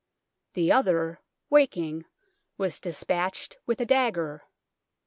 The other, waking, was despatched with a dagger.